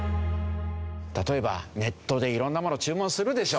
例えばネットでいろんなものを注文するでしょ。